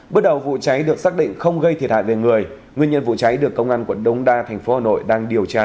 bước đầu vụ cháy được xác định không gây thiệt hại về người nguyên nhân vụ cháy được công an quận đông đa thành phố hà nội đang điều tra